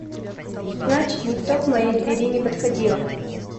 Значит, никто к моей двери не подходил.